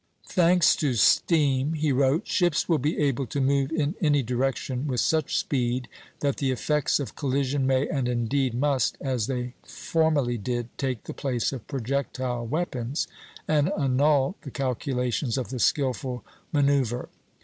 "Thanks to steam," he wrote, "ships will be able to move in any direction with such speed that the effects of collision may, and indeed must, as they formerly did, take the place of projectile weapons and annul the calculations of the skilful manoeuvrer.